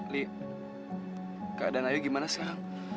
li keadaan ayu gimana saham